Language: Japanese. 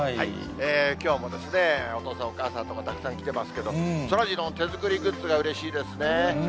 きょうもお父さん、お母さんもたくさん来てますけど、そらジローの手作りグッズがうれしいですね。